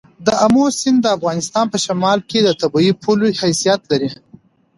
د آمو سیند د افغانستان په شمال کې د طبیعي پولې حیثیت لري.